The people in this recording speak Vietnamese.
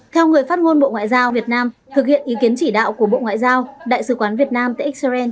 theo người phát ngôn bộ ngoại giao việt nam thực hiện ý kiến chỉ đạo của bộ ngoại giao đại sứ quán việt nam tại israel